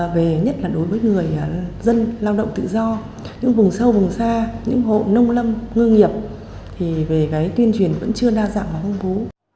về nhất là đối với người dân lao động tự do những vùng sâu vùng xa những hộ nông lâm ngư nghiệp thì về cái tuyên truyền vẫn chưa đa dạng và phong phú